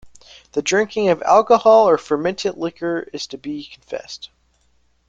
The drinking of alcohol or fermented liquor is to be confessed.